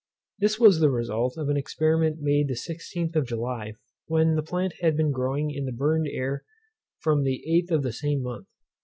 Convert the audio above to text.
This was the result of an experiment made the 16th of July, when the plant had been growing in the burned air from the 8th of the same month.